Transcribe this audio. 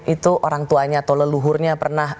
itu orang tuanya atau leluhurnya pernah